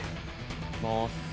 いきます。